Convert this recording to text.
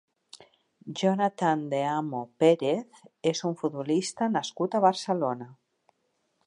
Jonathan de Amo Pérez és un futbolista nascut a Barcelona.